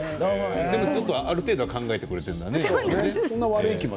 でも、ある程度考えてくれているんだね。